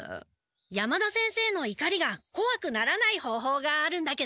山田先生のいかりがこわくならない方法があるんだけど。